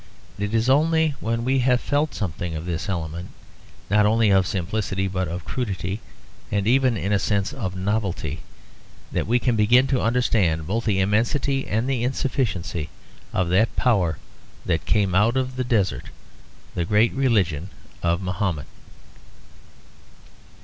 It is only when we have felt something of this element, not only of simplicity, but of crudity, and even in a sense of novelty, that we can begin to understand both the immensity and the insufficiency of that power that came out of the desert, the great religion of Mahomet.